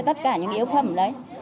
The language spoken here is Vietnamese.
tất cả những yếu phẩm đấy